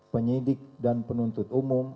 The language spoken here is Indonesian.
penyelidik dan penuntut umum